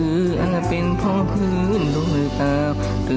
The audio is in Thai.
ตีตายจะออกไหม